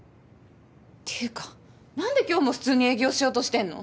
ていうか何で今日も普通に営業しようとしてんの？